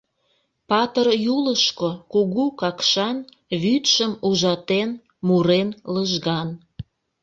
Патыр Юлышко Кугу Какшан, Вӱдшым ужатен, мурен лыжган…